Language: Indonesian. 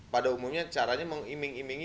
pada umumnya caranya mengiming imingi